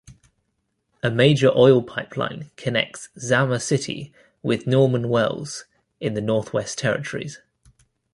A major oil pipeline connects Zama City with Norman Wells in the Northwest Territories.